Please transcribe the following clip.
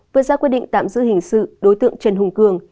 vừa ra quyết định tạm giữ hình sự đối tượng trần hùng cường